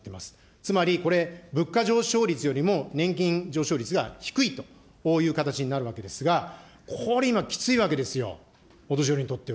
つまりこれ、物価上昇率よりも年金上昇率が低いという形になるわけですが、これ今、きついわけですよ、お年寄りにとっては。